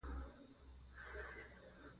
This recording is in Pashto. ازادي راډیو د د بیان آزادي اړوند مرکې کړي.